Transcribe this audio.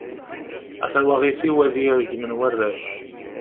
A tawaɣit-iw ad iyi-regmen warrac.